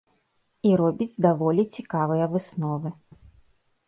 І робіць даволі цікавыя высновы.